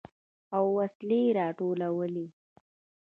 او وسلې يې راټولولې.